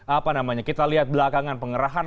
apa namanya kita lihat belakangan pengerahan